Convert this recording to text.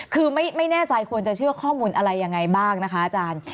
คือไม่แน่ใจควรจะเชื่อข้อมูลอะไรยังไงบ้างนะคะอาจารย์